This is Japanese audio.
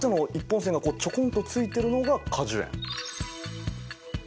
本線がチョコンとついてるのが果樹園。